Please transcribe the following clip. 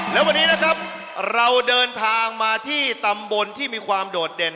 และวันนี้นะครับเราเดินทางมาที่ตำบลที่มีความโดดเด่น